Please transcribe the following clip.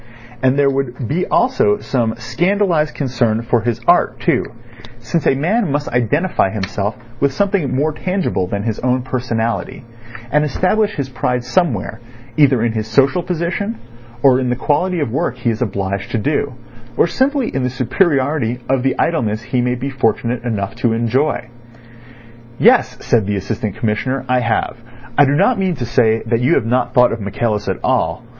And there would be also some scandalised concern for his art too, since a man must identify himself with something more tangible than his own personality, and establish his pride somewhere, either in his social position, or in the quality of the work he is obliged to do, or simply in the superiority of the idleness he may be fortunate enough to enjoy. "Yes," said the Assistant Commissioner; "I have. I do not mean to say that you have not thought of Michaelis at all.